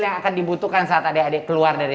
yang akan dibutuhkan saat adik adik keluar dari